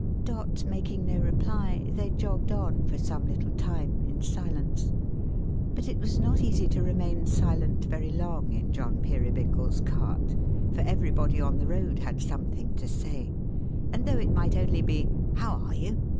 Dot making no reply, they jogged on, for some little time, in silence. But it was not easy to remain silent very long in John Peerybingle's cart, for everybody on the road had something to say; and though it might only be "How are you!"